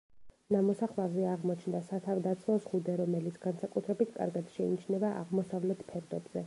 ნამოსახლარზე აღმოჩნდა სათავდაცვო ზღუდე, რომელიც განსაკუთრებით კარგად შეიმჩნევა აღმოსავლეთ ფერდობზე.